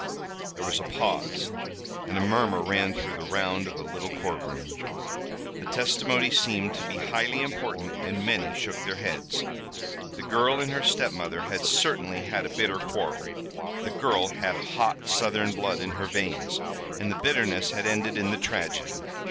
There was a pause, and a murmur ran the round of the little courtroom. The testimony seemed to be highly important and many shook their heads. The girl and her stepmother had certainly had a bitter quarrel, the girl had hot Southern blood in her veins, and the bitterness had ended in the tragedy.